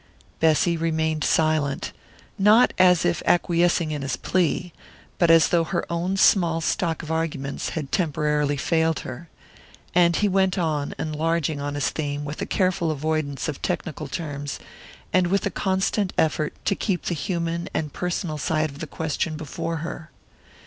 Bessy remained silent, not as if acquiescing in his plea, but as though her own small stock of arguments had temporarily failed her; and he went on, enlarging on his theme with a careful avoidance of technical terms, and with the constant effort to keep the human and personal side of the question before her.